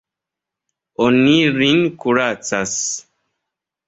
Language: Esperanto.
Oni lin kuracas.